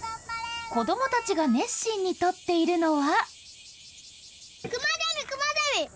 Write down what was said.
子どもたちが熱心に捕っているのは。